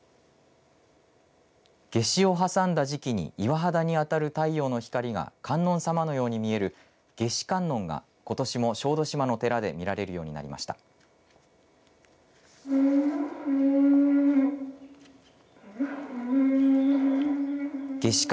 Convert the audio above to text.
夏至をはさんだ時期に岩肌にあたる太陽の光が観音さまのように見える夏至観音がことしも小豆島の寺で見られるようになりました。